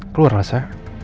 keluar lah sha